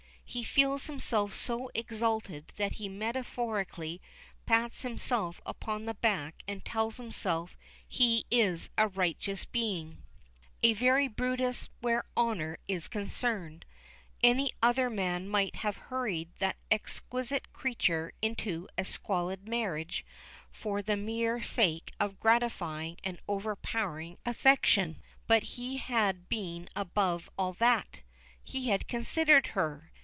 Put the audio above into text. He feels himself so exalted that he metaphorically pats himself upon the back and tells himself he is a righteous being a very Brutus where honor is concerned; any other man might have hurried that exquisite creature into a squalid marriage for the mere sake of gratifying an overpowering affection, but he had been above all that! He had considered her!